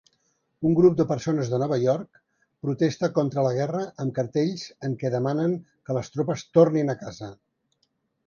Un grup de persones de Nova York protesta contra la guerra amb cartells en què demanen que les tropes tornin a casa.